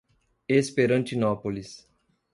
Esperantinópolis